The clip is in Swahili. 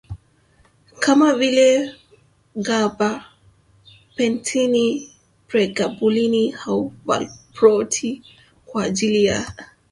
kama vile gabapentini pregabalini au valproati kwa ajili ya